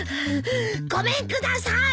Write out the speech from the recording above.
ごめんください！